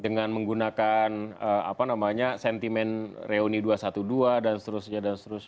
dengan menggunakan sentimen reuni dua ratus dua belas dan seterusnya